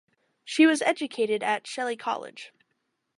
She was educated at Shelley College.